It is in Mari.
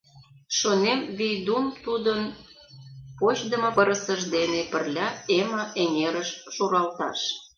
— Шонем Вийдум тудын почдымо пырысыж дене пырля Эма эҥерыш шуралташ.